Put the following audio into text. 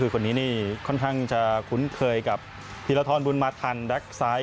คนนี้ค่อนข้างจะคุ้นเคยกับฮิลาทอนบุญมาธันแบล็กซ้าย